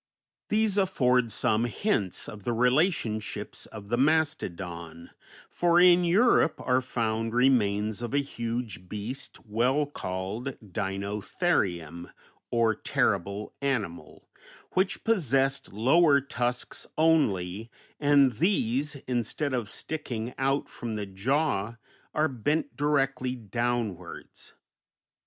These afford some hints of the relationships of the mastodon; for in Europe are found remains of a huge beast well called Dinotherium, or terrible animal, which possessed lower tusks only, and these, instead of sticking out from the jaw are bent directly downwards.